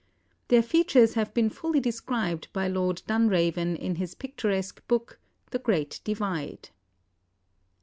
Their features have been fully described by Lord Dunraven in his picturesque book, "The Great Divide."